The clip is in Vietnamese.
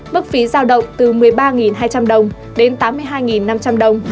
mức phí giao động từ một mươi ba hai trăm linh đồng đến tám mươi hai năm trăm linh đồng